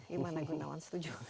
gimana gunawan setuju